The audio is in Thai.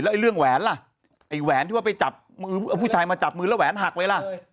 ไอ้เรื่องแหวนล่ะไอ้แหวนที่ว่าไปจับมือผู้ชายมาจับมือแล้วแหวนหักไว้ล่ะ